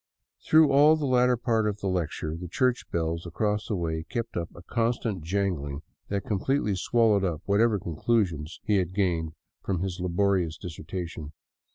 Through all the latter part of the lecture the church bells across the way kept up a constant jangling that completely swallowed up whatever conclusions he had gained from his laborious dissertation.